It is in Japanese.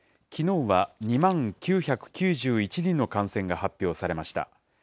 きのうは２万９９１人の感染が発表されました。